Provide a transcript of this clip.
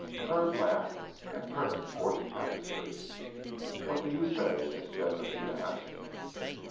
Hurd laughed and turned towards the tapestry. "What do you say, Miss Jessop?" he asked.